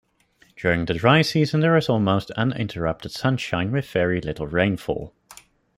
During the dry season, there is almost uninterrupted sunshine with very little rainfall.